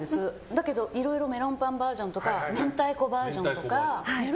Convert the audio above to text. だけどいろいろメロンパンバージョンとか明太子バージョンとか。